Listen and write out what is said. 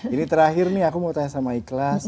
ini terakhir nih aku mau tanya sama ikhlas